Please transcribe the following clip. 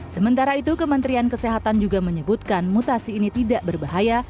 sementara itu kementerian kesehatan juga menyebutkan mutasi ini tidak berbahaya